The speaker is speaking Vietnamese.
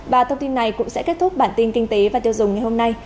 và thông tin này cũng sẽ kết thúc bản tin kinh tế và tiêu dùng ngày hôm nay